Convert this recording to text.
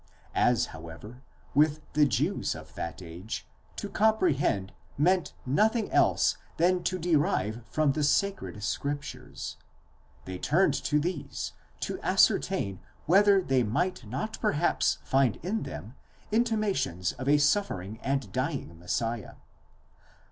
As, however, with the Jews of that age to comprehend meant nothing else than to derive from the sacred scriptures: they turned to these, to ascertain whether they might not perhaps find in them intimations of a suffering and dying Messiah.